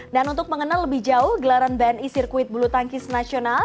dan untuk mengenal lebih jauh gelaran bni sirkuit bulutangkis nasional